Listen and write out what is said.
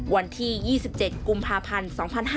วันที่๒๗กุมภาพันธ์๒๕๕๙